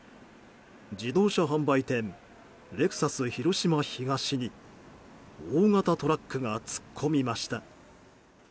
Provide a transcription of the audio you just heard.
自動車販売店レクサス広島東に大型トラックが突っ込みました。